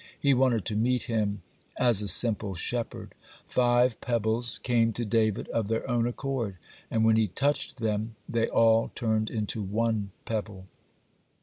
He wanted to meet him as a simple shepherd. Five pebbles came to David of their own accord, (36) and when he touched them, they all turned into one pebble.